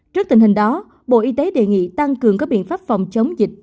trước tình hình đó bộ y tế đề nghị tăng cường các biện pháp phòng chống dịch